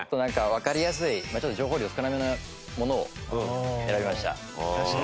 わかりやすい情報量少なめのものを選びました。